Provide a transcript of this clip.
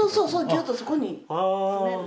ギュッとそこに詰める。